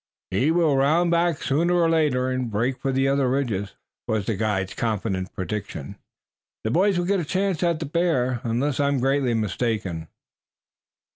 "He will round back sooner or later and break for the other ridges," was the guide's confident prediction. "The boys will get a chance at the bear unless I am greatly mistaken."